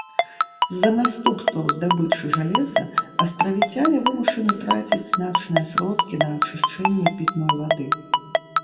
З-за наступстваў здабычы жалеза астравіцяне вымушаны траціць значныя сродкі на ачышчэнне пітной вады.